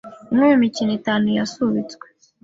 umwe mu mikino itanu yasubitswe